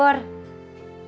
boleh pinjam lagi gak